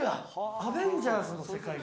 『アベンジャーズ』の世界観。